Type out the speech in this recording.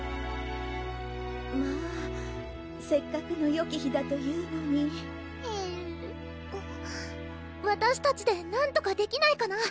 まぁせっかくのよき日だというのにえるぅわたしたちでなんとかできないかな？